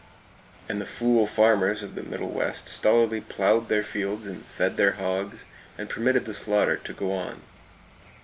And the fool farmers of the Middle West stolidly plowed their fields and fed their hogs, and permitted the slaughter to go on.